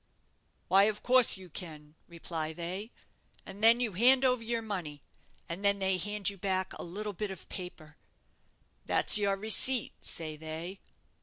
'Why, of course you can,' reply they; and then you hand over your money, and then they hand you back a little bit of paper. 'That's your receipt,' say they.